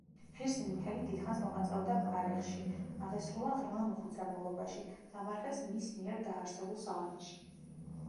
ღირსი მიქელი დიდხანს მოღვაწეობდა პარეხში, აღესრულა ღრმა მოხუცებულობაში, დამარხეს მის მიერ დაარსებულ სავანეში.